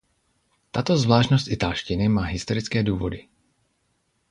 Tato zvláštnost italštiny má historické důvody.